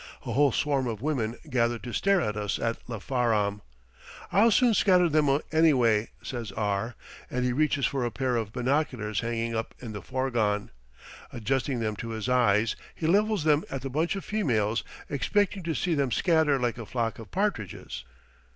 A whole swarm of women gather to stare at us at Lafaram. "I'll soon scatter them, anyway," says R ; and he reaches for a pair of binoculars hanging up in the fourgon. Adjusting them to his eyes, he levels them at the bunch of females, expecting to see them scatter like a flock of partridges.